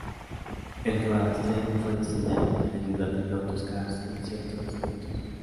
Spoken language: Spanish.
El Roadster fue diseñado con la ayuda de Lotus Cars en ciertos aspectos.